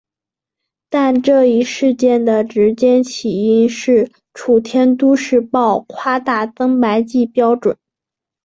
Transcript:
但这一事件的直接起因是楚天都市报夸大增白剂标准。